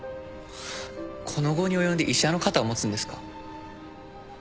この期に及んで医者の肩を持つんですか？